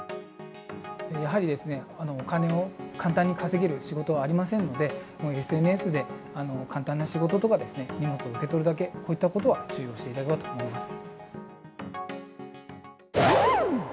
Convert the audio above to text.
やはりですね、お金を簡単に稼げる仕事はありませんので、ＳＮＳで簡単な仕事とか、荷物を受け取るだけ、こういったことは注意をしていただければと思います。